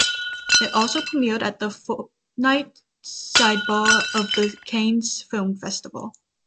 It was also premiered at the Fortnight sidebar of the Cannes Film Festival.